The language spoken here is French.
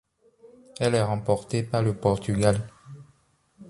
Elle est remportée par le Portugal.